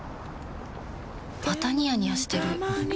またニヤニヤしてるふふ。